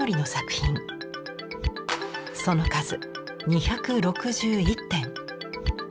その数２６１点。